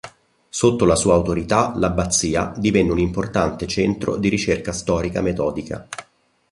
Sotto la sua autorità l'abbazia divenne un importante centro di ricerca storica metodica.